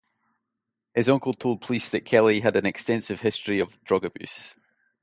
His uncle told police that Kelly had an extensive history of drug abuse.